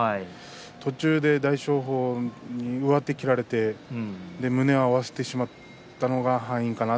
途中で大翔鵬に上手を切られて胸を合わせてしまいましたね